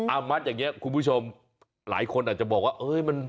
อ้ามัสอย่างนี้คุณผู้ชมหลายคนอาจจะบอกว่า